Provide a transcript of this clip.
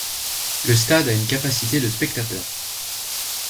Le stade a une capacité de spectateurs.